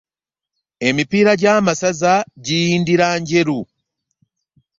Emipiira gya masaza giyindira njeru.